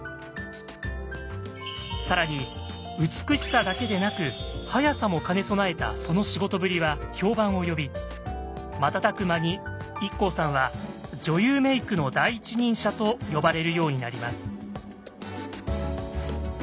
更に美しさだけでなく速さも兼ね備えたその仕事ぶりは評判を呼び瞬く間にＩＫＫＯさんは「女優メイクの第一人者」と呼ばれるようになります。